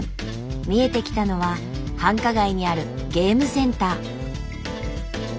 見えてきたのは繁華街にあるゲームセンター。